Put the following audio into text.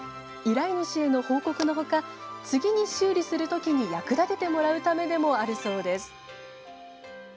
依頼主への報告のほか次に修理するときに役立ててもらうためでもあるそうです。